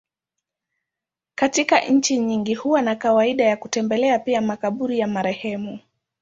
Katika nchi nyingi huwa na kawaida ya kutembelea pia makaburi ya marehemu.